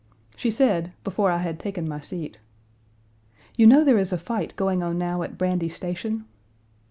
She said, before I had taken my seat: "You know there is a fight going on now at Brandy Station?"